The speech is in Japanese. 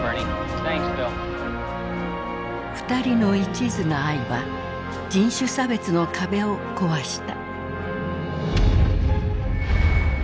二人のいちずな愛は人種差別の壁を壊した。